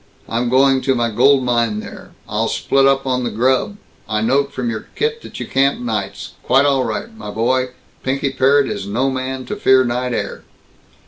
I'm going to my gold mine there. I'll split up on the grub I note from your kit that you camp nights. Quite all right, my boy. Pinky Parrott is no man to fear night air."